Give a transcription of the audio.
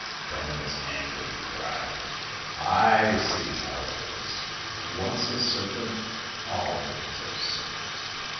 Then in his anger he cried, " I see how it is. Once a serpent, always a serpent